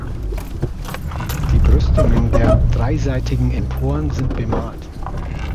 Die Brüstungen der dreiseitigen Emporen sind bemalt.